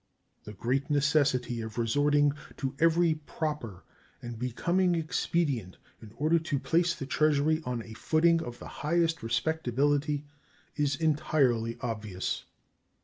The great necessity of resorting to every proper and becoming expedient in order to place the Treasury on a footing of the highest respectability is entirely obvious.